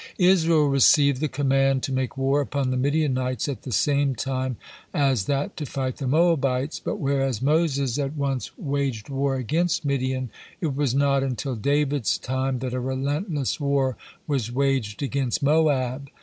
Israel received the command to make war upon the Midianites at the same time as that to fight the Moabites, but whereas Moses at once waged war against Midian, it was not until David's time that a relentless war was waged against Moab.